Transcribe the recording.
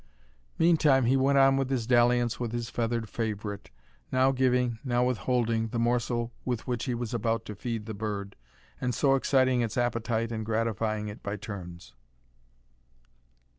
Meantime he went on with his dalliance with his feathered favourite, now giving, now withholding, the morsel with which he was about to feed the bird, and so exciting its appetite and gratifying it by turns.